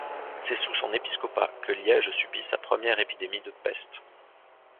C'est sous son épiscopat que Liège subit sa première épidémie de peste.